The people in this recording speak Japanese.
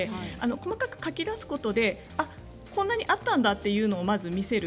細かく書き出すことでこんなにあったんだということを見せる。